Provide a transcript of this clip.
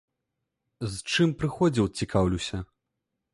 З чым прыходзіў, цікаўлюся.